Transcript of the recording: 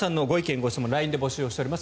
・ご質問をＬＩＮＥで募集しております。